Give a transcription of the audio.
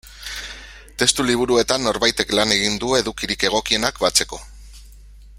Testu liburuetan norbaitek lan egin du edukirik egokienak batzeko.